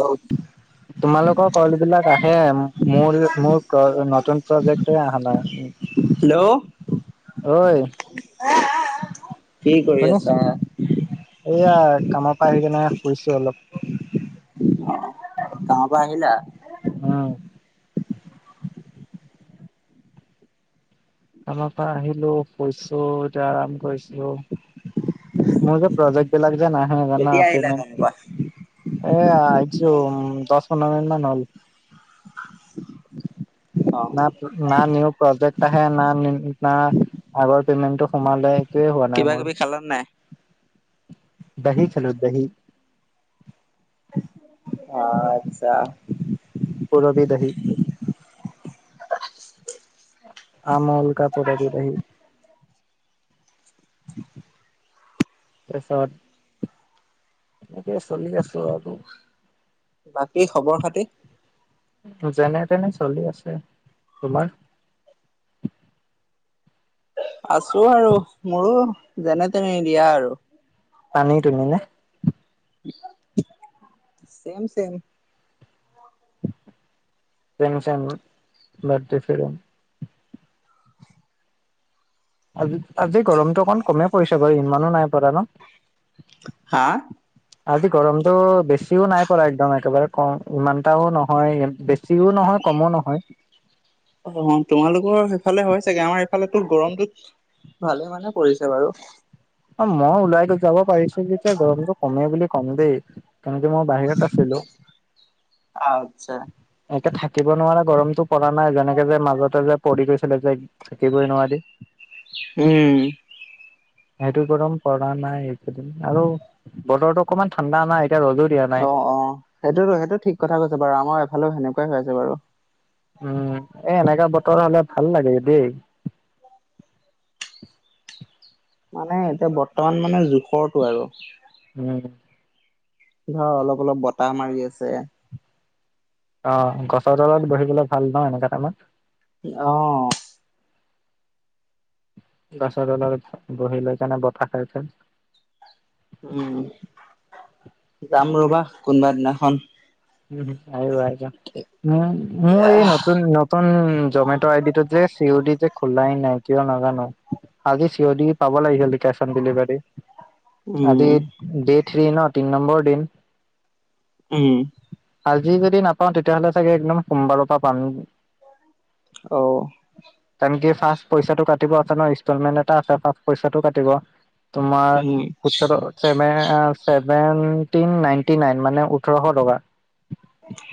অহ তোমালোকৰ কল বিলাক আহে মোৰ মোৰ নতুন প্ৰজেক্ট হে অহা নাই। হেল্ল অই কি কৰি শুনিছ আছা? এইয়া কামৰ পৰা আহি কেনে শুইছো অলপ। অহ, তাৰপা আহিলা। উম। কামৰ পৰা আহিলো শুইছো এতিয়া আৰাম কৰিছিলো মোৰ প্ৰজেক্ট বিলাক যে নাহে জানা কেতিয়া আহিলা গাঁৱৰ পেমেণ্ট- পৰা? এ আহিছো দহ পন্ধৰ মিনিট মান হ'ল। [unintelligible] ন না নিউ প্ৰজেক্ট আহে না না আগৰ পেমেন্টটো সোমালে। টোৱে হোৱা নাই কিবা কিবি মোৰ খালা নাই? দহি খালো দহি অ আচ্ছা। পুৰৱি দহি আমোল কা পুৰৱী দহি তাৰপাছত, এনেকে চলি আছো আৰু বাকী খবৰ খাতি যেনে তেনে চলি আছে। তোমাৰ? আছোঁ আৰু মোৰো যেনে তেনে দিয়া আৰু টানি টুনি না- চেম চেম চেম চেম মোৰ, বাদেফেৰম। [unintelligible] আজি আজি গৰমটো অকণ কমে পৰিছে বাৰু ইমানো নাই পৰা ন। হা আজি গৰমতটো বেছিও নাই পৰা একদম একেবাৰে কম ইমানটাও নহয় বেছি। বেচিও নহয় কমো নহয় অঁ তোমালোকৰ সেইফালে হয় চাগে আমাৰ এইফালেতো গৰমটোত- ভালে মানে পৰিছে বাৰু। অ মই ওলাই যাব পাৰিছো যেতিয়া গৰমটো কমে বুলি কম দেই। তেনেকে মই বাহিৰত আছিলো, আচ্ছা। এয়া থাকিব নোৱাৰা গৰমটো- পৰা নাই যেনেকে যে মাজতে যে পৰি গৈছিলে যে থাকিবই নোৱাৰি। উম, সেইটো গৰম পৰা নাই একেইইদিন আৰু, বতৰটো অকণমান ঠাণ্ডা নাই এতিয়া ৰ'দো দিয়া নাই অ', অ, সেইটোতো সেইটো ঠিক কথা ক'ব পাৰা আমাৰ এফালেও সেনেকুৱাই হৈ আছে বাৰু। উম এ এনেকা বতৰ হলে ভাল লাগে দেই। মানে এতিয়া বৰ্তমান মানে জোখৰটো আৰু উম ধৰা অলপ অলপ বতাহ মাৰি আছে। অ', গছৰ তলত বহিবলে ভাল ন' এনেকা তাইমত। অ', গাছৰ তলত, বহি লৈ কেনে বতাহ খাই ফেন। উম, যাম ৰ'বা কোনবা দিনাখন। উম, আহিবা আহিবা, উম, মই এই নতুন [unintelligible] জমেট' আই ডিটোত যে চি ইউ টি যে। খোলাই নাই কিয় নাজানো, আজি চিঞদি পাব লাগিছিল কেচ অন ডেলিভাৰী। আজি উম ডে থ্ৰী ন' তিন নম্বৰ দিন। উম, আজি যদি নাপাওঁ তেতিয়াহ'লে চাগে একদম সোমবাৰৰ পৰা পাম। অ', তাৰমানে কি ফাৰ্ষ্ট পইচাটো কাটিব [unintelligible] ইনষ্টলমেণ্ট এটা আছে ফাৰ্ষ্ট পইচাটো কাটিব। তোমাৰ, উম সোতৰো ছেভেন, ছেভেনটি নাইনটি নাইন মানে ওঠৰশ টকা।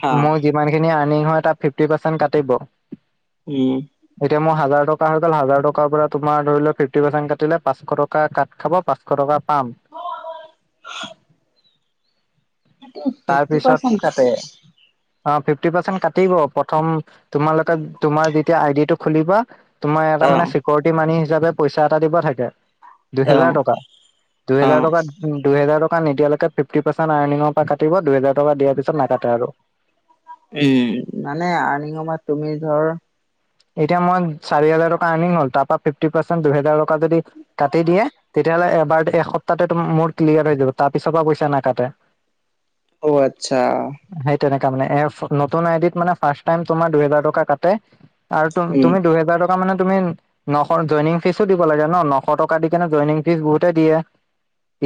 হা মোৰ যিমানখিনি আৰ্নিং হয় তাত ফিফটি পাৰ্চেণ্ট কাটিব। উম, এতিয়া মোৰ হাজাৰ টকা হৈ গ'ল হাজাৰ টকাৰ পৰা তুমাৰ ধৰি লও ফিফটি পাৰ্চেণ্ট কাটিলে পাচশ টকা কাট খাব পাচ এশ টকা পাম। ফিফটি পাৰ্চেন্ট তাৰপিছত কাটে অ', ফিফটি পাৰ্চেণ্ট কাটিব প্ৰথম, তোমালোকে তোমাৰ যেতিয়া আইডিটো খুলিব। তোমাৰ এটা অ মানে চিক'ৰিটি মানি হিচাপে পইচা এটা দিব থাকে। অ দুহেজাৰ টকা, অ দুহেজাৰ টকা দুহেজাৰ টকা নিদিয়ালৈকে ফিফটি পাৰ্চেণ্ট আৰ্নিঙৰ [unintelligible] কাটিব দুহেজাৰ টকা দিয়াৰ পিছত নাকাটে আৰু। উম, মানে আৰ্নিঙ সময়ত তুমি ধৰ এতিয়া মই চাৰি হাজাৰ টকা আৰ্নিং হ'ল তাৰ পৰা ফিফটি পাৰ্চট দুহেজাৰ টকা যদি কাটি দিয়ে, তেতিয়াহ'লে এবাৰ এসপ্তাহতে মোৰ ক্লিয়াৰ হৈ যাব তাৰ পিছৰ পৰা পইচা নাকাটে। অ', আচ্ছা। সেই তেনেকা মানে [unintelligible] নতুন আইডিৰ ফাৰ্ষ্ট টাইম তোমাৰ দুই হাজাৰ টকা কাটে। তাৰতো উম তুমি দুহেজাৰ টকা মানে তুমি নশ জইনিং ফিজো দিব লাগে ন' নশ টকা দি কিনে জইনিং ফীজ বহুতেই দিয়ে।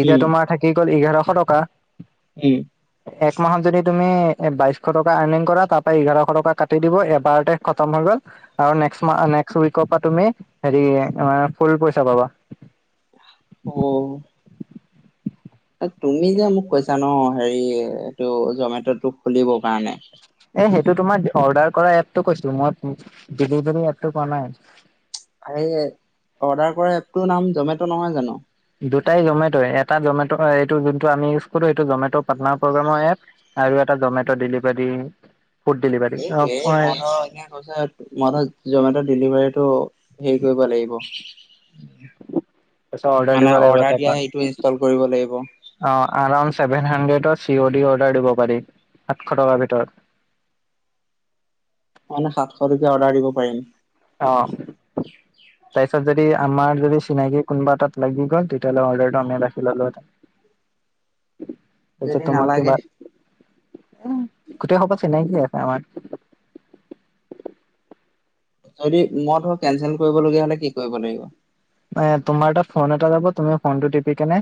এতিয়া উম তোমাৰ থাকি গ'ল এঘাৰশ টকা। উম, এক মাহত যদি তুমি এ বাইশ টকা আৰ্নিং কৰা তাৰ পৰা এঘাৰশ টকা কাটি দিব এবাৰতে। খতম হৈ গল, আৰু নেক্সট মাহ নেক্সট উইকৰ পৰা তুমি হেৰি ফুল পইচা পাবা। অ', এ তুমি যে মোক কৈছা ন' হেৰি, এইটো জমেট'টো খুলিবৰ কাৰণে। এ সেইটো তোমাৰ অৰ্ডাৰ কৰা এপটো কৈছিলোঁ, মই ডেলিভাৰী এপটো কোৱা নাই। আৰে, অৰ্ডাৰ কৰা এপটোৰ নাম জমেট' নহয় জানো। দুটাই জমেট' এটা জমেট' এইটো যোনটো আমি ইউজ কৰো এইটো জমেট' পাৰ্টনাৰ প্ৰগ্ৰেমৰ এপ। আৰু এটা জমেট' ডেলিভাৰী। ফুড ডেলিভাৰী অ সেইটোয়েই মই তাৰপিছত ধৰ এনে কৈছ মই ধৰ জমেট' ডেলিভাৰীটো হেৰি কৰিব লাগিব। অৰ্ডাৰ দিব মানে লাগিব অৰ্ডাৰ দিয়া তাৰপৰা সেইটো ইনষ্টল কৰিব লাগিব। অ', এৰাউণ্ড ছেভেন হাড্ৰেডৰ চি অ' ডি অৰ্ডাৰ দিব পাৰি, সাতশ টকাৰ ভিতৰত। মানে সাতশ টকীয়া অৰ্ডাৰ দিব পাৰিম। অ তাৰপিছত যদি আমাৰ যদি চিনাকি কোনবা এটাত লাগি গ'ল তেতিয়া হলে অৰ্ডাৰটো আমি ৰাখি ল'লো হেতেন। উ তাৰপিছত তোমাৰ কিবা গোটেই সোপা চিনাকিয়ে আমাৰ যদি মই ধৰ কেনচেল কৰিবলগীয়া হ'লে কি কৰিব লাগিব এ তোমাৰ তাত এটা ফোন এটা যাব তুমি ফোন টো টিপি কিনে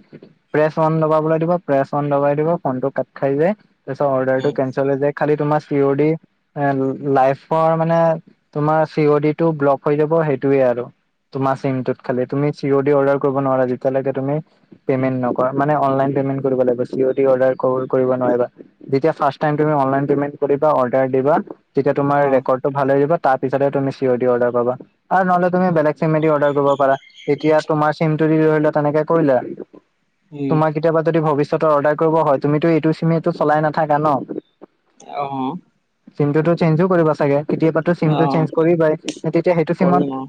প্ৰেচ অন দবাবলে দিব প্ৰেচ অন দবাই দিব ফোনটো কাট খাই যাই তাৰপাছত অৰডাৰটো কেনচেল হৈ যাই খালি তোমাৰ চি অৰ দি এ লাইফৰ মানে তোমাৰ চি অ ডি টো ব্লক হৈ যাব সেইটোয়ে আৰু তোমাৰ চিমটোত খালি তুমি চি অ ডি অৰ্ডাৰ কৰিব নোৱাৰা যেতিয়ালৈকে তুমি পেমেণ্ট নকৰা মানে অনলাইন পেমেণ্ট কৰিব লাগিবি চি অ ডি অদাৰ কৰ কৰিব নোৱাৰিবা যেতিয়া ফাৰ্ষ্ট টাইম তুমি অনলাইন পেমেন্ট কৰিবা অৰ্ডাৰ দিবা যেতিয়া তোমাৰ অ ৰেকৰ্ড ভাল হৈ আহিব তাৰ পিছতে তুমি চি অ দি অৰ্ডাৰা পাবা আৰু নহ'লে তুমি বেলেগ চিমে দি অৰ্ডাৰ কৰিব পাৰা এতিয়া তোমাৰ চিমটো দি ধৰি লোৱা তেনেকে কৰিলা উম তোমাক কেতিয়াবা যদি ভৱিষ্যতৰ অৰ্ডাৰ কৰিব হয় তুমিতো এইটো চিমটো চলাই নাথাকা ন অ চিমটোতো চেঞ্জো কৰিবা চাগে কেতিয়াবাতো অ চিমটো চেঞ্জ কৰিবাই তেতিয়া সেইটো কৰিম চিমত অ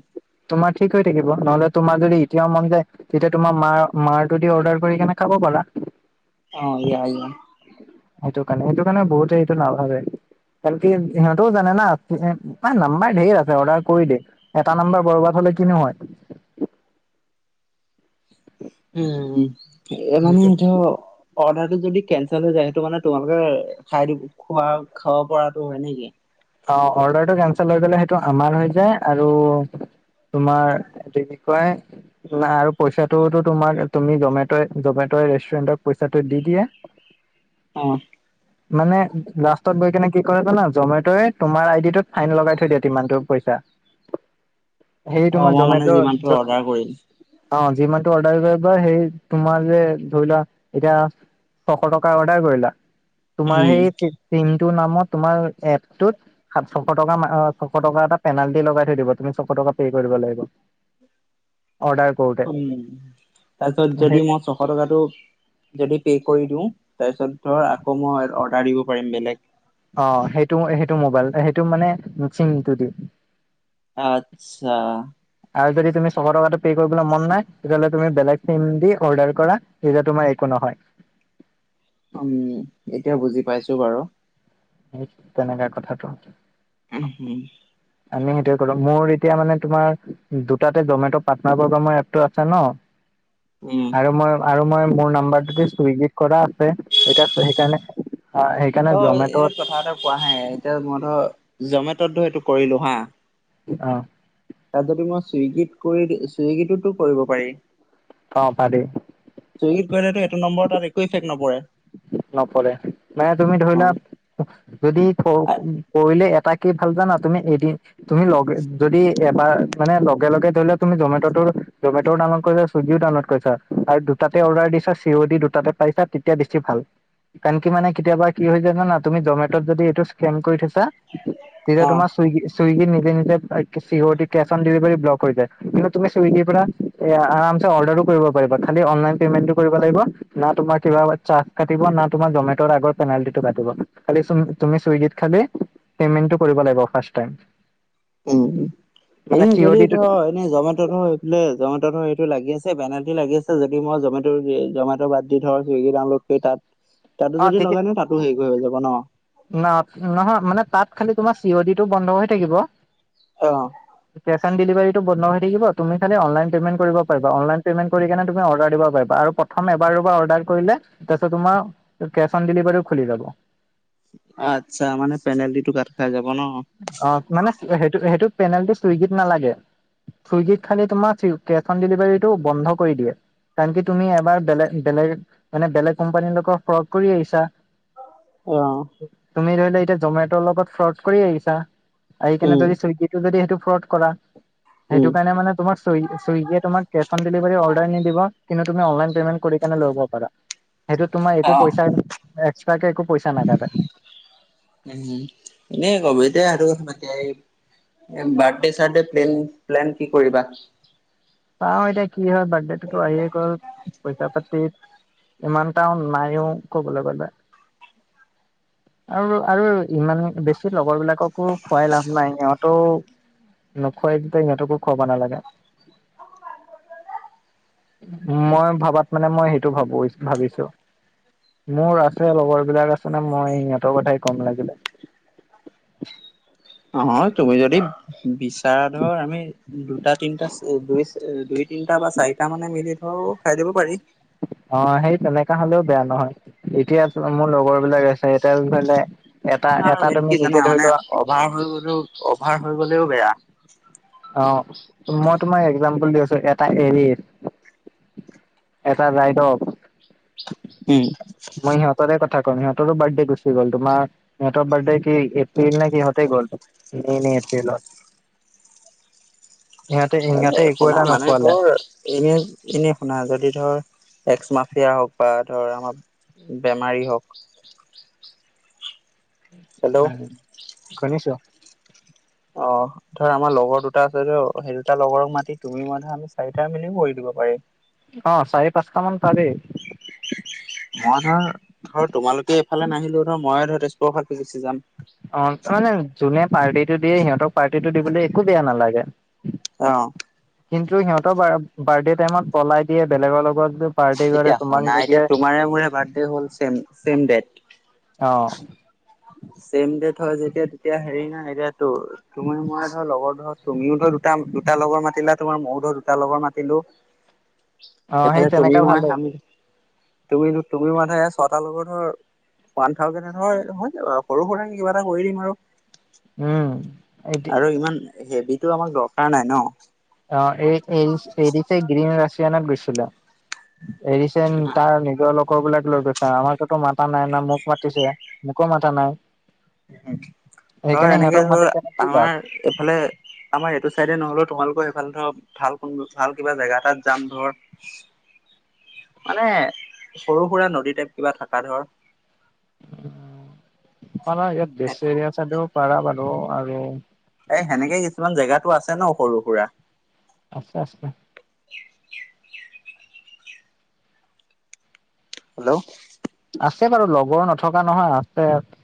তোমাৰ ঠিক হৈ থাকিব নহলে তোমাৰ যদি এতিয়াও মন যায় তেতিয়া তোমাৰ মাৰ মাৰতো দি অৰ্ডাৰ কৰি কেনে খাব পাৰা অ ইয়া ইয়া সেইটো কাৰণে সেইটো কাৰণে বহুতেই এইটো নাভাবে কালি সিহঁতেও জানে মানে নাম্বাৰ ধেৰ আছে অৰ্ডাৰ কৰি দিয়ে এটা নম্বাৰ বৰবাত হলে কিনো হয় উম এ মানে সেইটো অৰ্ডাৰতো যদি কেনচেল হৈ যায় সেইটো মানে তোমালোকে খাই দিব খোৱা খাব পৰাতো হয় নেকি অ অৰ্ডাৰটো কেচেল হৈ গলে সেইটো আমাৰ হৈ যায় আৰু তোমাৰ এইটো কি কয় নাই আৰু পইচাটোওতো তোমাৰ তুমি জমেট জমেট'য়ে ৰেষ্টুৰেণ্টক পইচাটো দি দিয়ে অ মানে লাষ্টত গৈ কিনে কি কৰে জানা জমেটয়ে তোমাৰ আই ডি টোত ফাইন লগাই থৈ দিয়া তিমানটো পইচা সেই অ তোমাৰ মই মানে জমেট' যিমানটো জ অৰ্ডাৰ কৰিম অ যিমানটো অৰ্ডাৰ কৰিবা সেই তোমাৰ যে ধৰি লোৱা এতিয়া ছশ টকা অৰ্ডাৰ কৰিলা তোমাৰ উম সেই চিমটো নামত তোমাৰ এপটোত সাত ছশ টকা ছশ টকা এটা পেনালটি লগাই থৈ দিব তুমি ছশ টকা পে' কৰিব লাগিব অৰ্ডাৰ কৰোতে উম তাৰপিছত সেই যদি মই ছ শ টকাটো যদি পে' কৰি দিওঁ তাৰপিছত ধৰ আকৌ মই অৰ্ডাৰ দিব পাৰিম বেলেগ অ সেইটো সেইটো মোবাইলতে সেইটো মানে চিমটো দি আচ্ছা আৰু যদি তুমি ছশ টকাটো পে' কৰিবলৈ মন নাই তেতিয়াহ'লে তুমি বেলেগ চিম দি অৰ্ডাৰ কৰা তেতিয়া তোমাৰ একো নহয় উম এতিয়া বুজি পাইছো বাৰু সেই তেনেকা কথাটো উম হম আমি সেইটোৱে কৰো মোৰ এতিয়া মানে তোমাৰ দুটাতে জমেটৰ পাৰ্টনাৰৰ বা মোৰ এপটো আছে ন উম আৰু মই আৰু মই মোৰ নাম্বাৰটোতে চুইগিত কৰা আছে এতিয়া সেইকাৰণে আ সেই কাৰণে অ জমেট'ত এই কথা এটা কোৱাহে এতিয়া মই ধৰ জমেটত ধৰ এইটো কৰিলো হা অ তাত যদি মই চুইগীত কৰি চুইগীততো কৰিব পাৰি অ পাৰি। চুইগীত কৰিলেটো এটো নম্বৰতাত একো এফেক্ট নপৰে। নপৰে মানে তুমি অ ধৰিলোৱা। যদি ক কৰিলে এটাকি ভাল জানা তুমি এদিন, তুমি লগে যদি এবাৰ মানে লগে লগে ধৰি লও তুমি জমেটৰ জমেটৰটো ডানলড কৰি লোৱা চোন। চুইগিও ডাউনলোড কৰি চোৱা আৰু দুটাতে অৰ্ডাৰ দিছা চি অ দি দুটাতে পাইছা তেতিয়া বেছি ভাল। কাৰন কি মানে কেতিয়াবা কি হৈ যায় জানা তুমি জমেটত যদি এইটো স্কেম কৰি থৈছা তেতিয়া অ তোমাৰ। চুইগি চুইগি নিজে নিজে C O D cash on delivery block হৈ যায় কিন্তু তুমি চুইগিৰ পৰা। এ আ আৰামচে অৰ্ডাৰ কৰিব পাৰিবা খালি অনলাইন পেমেন্টতো কৰিব লাগিব না তোমাৰ কিবা চা কাতিব না তোমাৰ জমেটৰ আগৰ ফেনাইলিতি কাতিব খালি তুমি চুইগিত খালি। পেমেণ্টটো কৰিব লাগিব ফাৰ্চ টাইম। উম মানে এই চি অ' ডিটো কৰিত [unintelligible] এ জমেটৰতো এইফালে জমেটৰ এইটো লাগি আছে বেনালটি লাগি আছে যদি মই জমে জমেটৰ বাদ, যদি ধৰ চুইগি ডাউনলোড কৰি তাত তাতো অ' যদি তেতিয়া লগাই ন তাতো হেৰি হৈ যাব ন। ন নহয় মানে তাত খালি তোমাৰ চি অ ডি টো বন্ধ হৈ থাকিব। অ, কেচঅন ডেলিভাৰীটো বন্ধ হৈ থাকিব তুমি খালি অনলাইন পেমেন্ট কৰিব পাৰিবা অনলাইন পেমেণ্ট, কৰি কেনে তুমি অৰ্ডাৰ দিব পাৰিবা আৰু প্ৰথম এবাৰ দুবাৰ অৰ্ডাৰ কৰিলে তাৰ পিছত তোমাৰ। কেচ অন ডেলিভাৰীও খুলি যাব। আচ্ছা মানে পেনাল্টি টো কাট খাই যাব ন। অ মানে সেইটো সেইটো পেনাল্টি চুইগিত নালাগে। চুইগিত খালি তোমাৰ কেছ অন ডেলিভাৰীটো বন্ধ কৰি দিয়ে। কাৰন কি তুমি এবাৰ বেলেগ বেলেগ মানে বেলেগ কোম্পানীৰ লগত ফ্ৰ কৰি আহিছা। অহ, তুমি ধৰি ল এতিয়া জমেটৰ লগত ফ্ৰড কৰি আহিছা আহি কেনে উম যদি চুইগি টো যদি সেইটো ফ্ৰদ কৰা, উম সেইটো কাৰণে মানে তোমাৰ চু চুইগিয়ে তোমাক কেছ অন ডেলিভাৰী অৰ্ডাৰ নিদিব কিন্তু তুমি অনলাইন পেমেন্ট কৰি কেনি ল'ব পাৰা। সেইটোত তোমাৰ অ একো পইচা এক্সট্ৰাকে একো পইচা নাকাটে। উম এনে কব এতিয়া সেইটো [unintelligible] বাৰ্থডে চাৰডে প্লেন প্লেন কি কৰিবা। চাঁও এতিয়া কি হয় বাৰ্থডেটোতো আহিয়ে গ'ল পইচা পাতি, ইমানটাও নাইও কবলে গ'লে। আৰু আৰু ইমান বেছি লগৰ বিলাক কাকো খোৱাই লাভ নাই সিহঁতেও নোখুৱাই যেতিয়া সিহঁতকো খুৱাব নালাগে। মই ভাবাত মানে মই সেইটো ভাবো ভাবিছো। মোৰ আছে লগৰ বিলাক আছে নে মই সিহঁতৰ কথাই কম লাগিলে। অ তুমি যদি বিচাৰা ধৰ আমি দুটা তিনটা দুই দুই তিনিটা বা চাৰিটা মানে মিলি ধৰো খাই যাব পাৰি। অ সেই তেনেকা হ'লেও বেয়া নহয়। এতিয়া চোৱা মোৰ লগৰ বিলাক আছে, এতিয়া ধৰিলে এটা এটা তুমি নিজে ধৰি লোৱা। পাৰ হৈ গ'লেও অভাৰ হৈ গ'লেও বেয়া। অ মই তোমাক এক্সাম্পোল দি আছো এটা এৰি, এটা ৰাইদত, উম। মই ইহঁতৰে কথা ক'ম ইহঁতৰো বাৰ্থডে গুচি গ'ল তোমাৰ ইহঁতৰ বাৰ্থডে কি এপ্ৰিল নে কিহতেই গ'লত মে' নে এপ্ৰিলত। [inaudible] সিহঁতে সিহঁতে এই একো শুনা এটা মানে নোখোৱালে তোৰ এনে-এনে শুনা যদি ধৰ এক্স মাফিয়া হওঁক বা ধৰ আমাৰ বেমাৰী হওঁক। [unintelligible] হেল্ল' [unintelligible] অ। ধৰ আমাৰ লগৰ দুটা আছে সেই দুটা লগৰক মাতি তুমি মানে আমি চাৰিটা মেলি কৰি দিব পাৰি। অ' চাৰি পাঁচটা মান পাৰি। মই ধৰ-ধৰ তোমালোকে এইফালে নাহিলেওঁ ধৰ মই ধৰ তেজপুৰৰ ফালদি গুছি যাম। অ', মানে যোনে পাৰ্টিটো দিয়ে সিহঁতক পাৰ্টিটো দিবলে একো বেয়া নালাগে। অ'। কিন্তু সিহঁতৰ বাৰ্থডে টাইমত পলাই দিয়ে বেলেগৰ লগত পাৰ্টি কৰে এতিয়া তোমাক শুনা এতিয়া নিদিয়ে তোমাৰে মোৰে বাৰ্থডে হ'ল চেম-চেম দেট। অ ছেম দেট হয় যেতিয়া তেতিয়া হেৰি নাই, এতিয়া তোৰ তুমি মই ধৰ লগৰ ধৰ তুমিও ধৰ দুটা-দুটা লগৰ মাতিলা তোমাৰ ময়ো ধৰ দুটা লগৰ মাতিলোঁ। অ সেই এইফালে তুমি তেনেকা মই ভালেই তুমি-তুমি মানে ছটা লগৰ ধৰ ওৱান থাউজেন্ড হয়-হয় সৰু সুৰা কিবা এটা কৰি দিম আৰু উম এতি আৰু ইমান হেভিটো আমাক দৰকাৰ নাই ন'। অ', এই এৰিছ এৰিচে গ্ৰীণ ৰাছিয়ানত গৈছিলে এৰিচেন তাৰ তেওঁলোকৰ বিলাক লৈ গৈছে, আমাকটো মাতা নাই না মোক মাতিছে মোকো মাতা নাই। ধৰ সেইকাৰণে এনেকে সিহঁতক ধৰ মাতি কেনে কি লাভ আমাৰ এইফালে আমাৰ এইটো চাইডে নহ'লেও তোমালোকৰ এইফালে ধৰ ভাল কোন ভাল কিবা জেগা এটাত যাম ধৰ মানে সৰু সুৰা নদী টাইপ কিবা থকা ধৰ। পাৰা ইয়াত বেছ এৰিয়া চাইদেও পাৰা বাৰু আৰু এ সেনেকে কিছুমান জেগাতো আছে ন' সৰু সুৰা আছে-আছে। হেল্ল' আছে বাৰু লগৰ নথকা নহয় আছে।